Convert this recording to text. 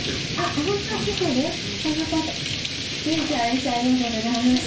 衣装ありがとうございました。